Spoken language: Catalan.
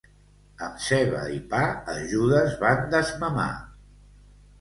Amb ceba i pa, a Judes van desmamar.